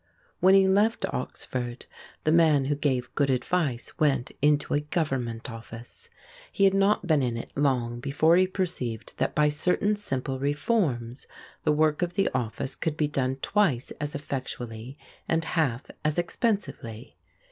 When he left Oxford the man who gave good advice went into a Government office. He had not been in it long before he perceived that by certain simple reforms the work of the office could be done twice as effectually and half as expensively.